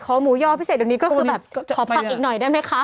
หมูยอพิเศษเดี๋ยวนี้ก็คือแบบขอผักอีกหน่อยได้ไหมคะ